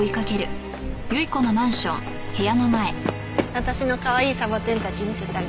私のかわいいサボテンたち見せてあげる。